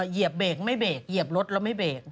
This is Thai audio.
เหยียบเบรกไม่เบรกเหยียบรถแล้วไม่เบรก